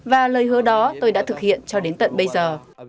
và lời hứa đó tôi đã thực hiện cho đến tận bây giờ